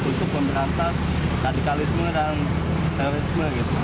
untuk memberantas radikalisme dan terorisme